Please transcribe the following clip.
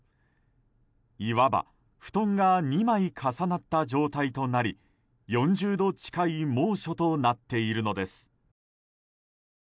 いわば、布団が２枚重なった状態となり４０度近い猛暑となっているのです。